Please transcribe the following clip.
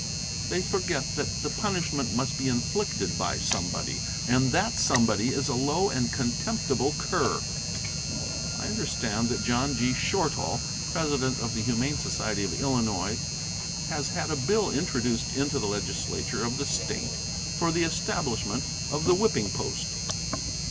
They forget that the punishment must be inflicted by somebody, and that somebody is a low and contemptible cur. I understand that John G. Shortall, president of the Humane Society of Illinois, has had a bill introduced into the Legislature of the State for the establishment of the whipping post.